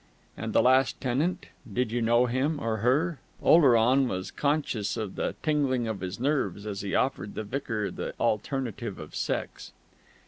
"And the last tenant did you know him or her?" Oleron was conscious of a tingling of his nerves as he offered the vicar the alternative of sex.